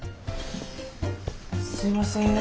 すいません。